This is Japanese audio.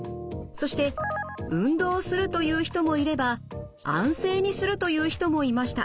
そして運動するという人もいれば安静にするという人もいました。